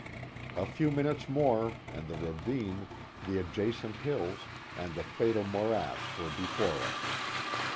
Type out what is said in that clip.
A few minutes more and the ravine, the adja cent hills, and the fatal morass were before us.